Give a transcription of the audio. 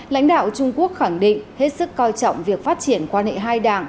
lãnh đạo trung quốc khẳng định hết sức coi trọng việc phát triển quan hệ hai đảng